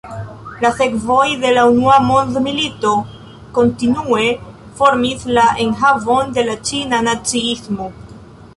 La sekvoj de la Unua Mondmilito kontinue formis la enhavon de la Ĉina naciismo.